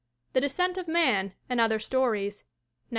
The Descent of Man, and Other Stories, 1904.